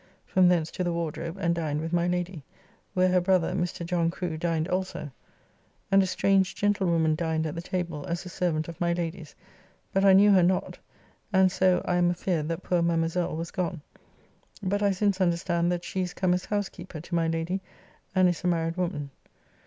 From thence to the Wardrobe and dined with my Lady, where her brother, Mr. John Crew, dined also, and a strange gentlewoman dined at the table as a servant of my Lady's; but I knew her not, and so I am afeard that poor Madamoiselle was gone, but I since understand that she is come as housekeeper to my Lady, and is a married woman.